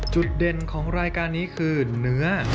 จุดเด่นของรายการนี้คือเนื้อ